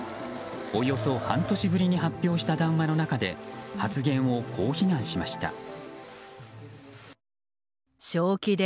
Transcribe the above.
およそ半年ぶりに発表した談話の中で発言を、こう非難しました。